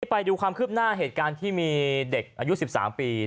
ไปดูความคืบหน้าเหตุการณ์ที่มีเด็กอายุ๑๓ปี